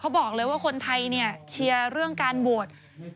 เขาบอกเลยว่าคนไทยเนี่ยเชียร์เรื่องการโหวต